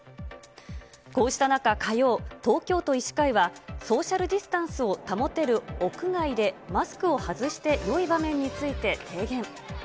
こうした中、火曜、東京都医師会は、ソーシャルディスタンスを保てる屋外でマスクを外してよい場面について提言。